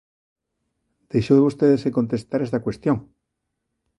Deixou vostede sen contestar esta cuestión.